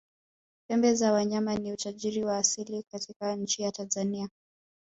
pembe za wanyama ni utajiri wa asili katika nchi ya tanzania